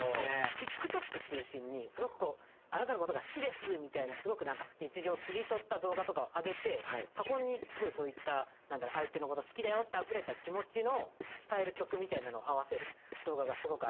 ＴｉｋＴｏｋ中心にすごくこう「あなたの事が好きです」みたいなすごくなんか日常を切り取った動画とかを上げてそこにすごいそういったなんだろう相手の事好きだよってあふれた気持ちの伝える曲みたいなのを合わせる動画がすごくありまして。